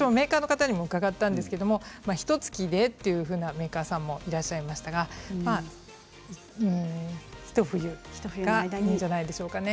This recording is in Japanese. メーカーの方に伺ったんですがひとつきでというようなメーカーさんもいらっしゃいましたがひと冬がいいんじゃないでしょうか。